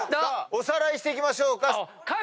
おさらいしていきましょう。